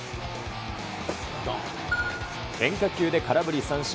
変化球で空振り三振。